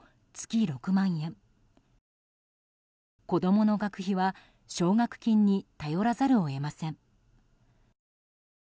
子供の学費は奨学金に頼らざるを得ません。